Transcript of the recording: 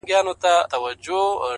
پر څه مي ژړوې ولي ويده مي ژړوې.!